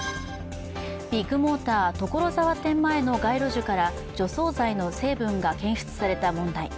ビッグモーター所沢店前の街路樹から除草剤の成分が検出された問題。